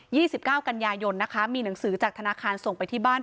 ี่สิบเก้ากันยายนนะคะมีหนังสือจากธนาคารส่งไปที่บ้าน